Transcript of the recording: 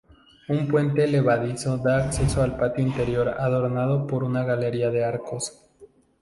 Un puente levadizo da acceso al patio interior adornado por una galería de arcos.